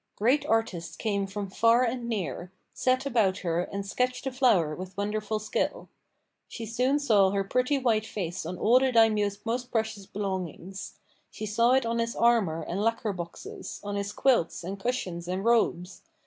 Great artists came from far and near, set about her and sketched the flower with wonderful skill. She soon saw her pretty white face on all the Daimyo's most precious belongings. She saw it on his armour and lacquer boxes, on his quilts and cushions and robes.